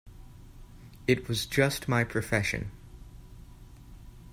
It was just my profession.